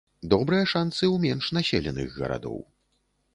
Добрыя шанцы ў менш населеных гарадоў.